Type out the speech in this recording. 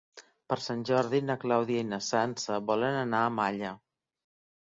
Per Sant Jordi na Clàudia i na Sança volen anar a Malla.